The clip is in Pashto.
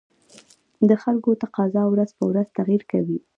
د خلکو تقاتضا ورځ په ورځ تغير کوي